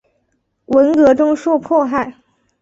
文革中受迫害。